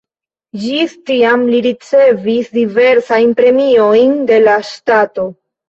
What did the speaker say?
Ĝis tiam li ricevis diversajn premiojn de la ŝtato.